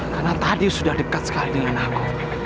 karena tadi sudah dekat sekali dengan aku